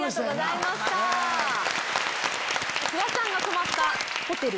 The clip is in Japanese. フワちゃんが泊まったホテル